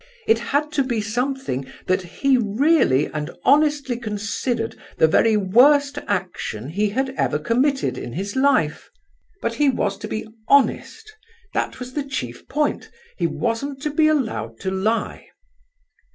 It had to be something that he really and honestly considered the very worst action he had ever committed in his life. But he was to be honest—that was the chief point! He wasn't to be allowed to lie."